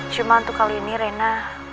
cuma untuk kali ini rena